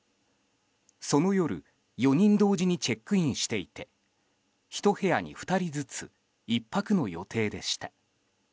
その夜、４人同時にチェックインしていて１部屋に２人ずつ１泊の予定でした。